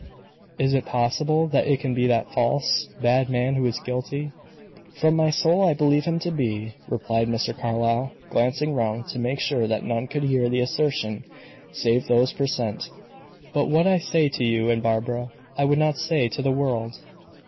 "Is it possible that it can be that false, bad man who is guilty?" "From my soul I believe him to be," replied Mr. Carlyle, glancing round to make sure that none could hear the assertion save those present. "But what I say to you and Barbara, I would not say to the world.